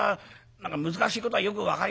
何か難しいことはよく分かりません。